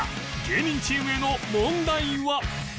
芸人チームへの問題は